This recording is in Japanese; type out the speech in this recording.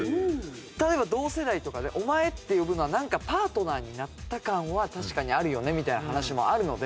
例えば同世代とかで「お前」って呼ぶのはなんかパートナーになった感は確かにあるよねみたいな話もあるので。